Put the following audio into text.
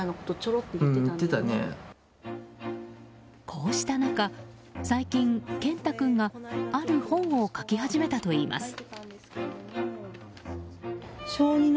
こうした中、最近けんた君がある本を書き始めたといいます。